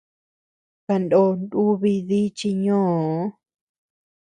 Kanó ndúbi dí chi ñoo.